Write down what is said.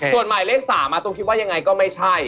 ส่วนหมายเลข๓ตัวคิดว่ายังไงก็ไม่ใช่